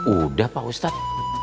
udah pak ustadz